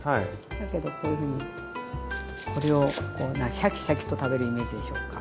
だけどこういうふうにこれをこうシャキシャキと食べるイメージでしょうか？